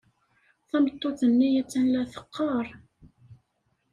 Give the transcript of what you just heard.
Tameṭṭut-nni attan la teqqar.